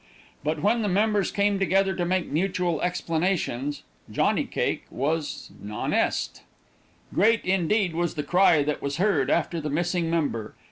But when the members came together to make mutual explanations, Johnny Cake was non est. Great, indeed, was the cry that was heard after the missing member.